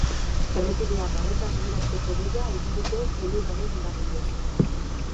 Errepidean arretaz gidatzeko deia egin dute elurraren eraginez.